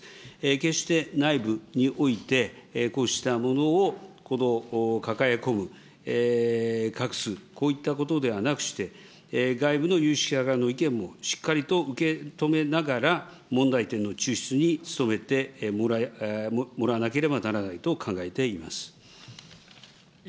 決して内部において、こうしたものを抱え込む、隠す、こういったことではなくして、外部の有識者からの意見もしっかりと受け止めながら、問題点の抽出に努めてもらわなければならないと考えています。